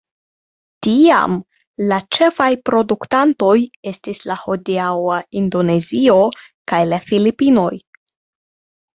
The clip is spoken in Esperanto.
Tiam la ĉefaj produktantoj estis la hodiaŭa Indonezio kaj la Filipinoj.